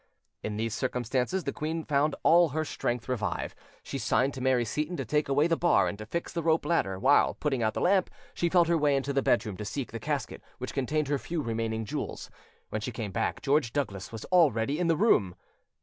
In these circumstances the queen found all her strength revive: she signed to Mary Seyton to take away the bar and to fix the rope ladder, while, putting out the lamp, she felt her way into the bedroom to seek the casket which contained her few remaining jewels. When she came back, George Douglas was already in the room.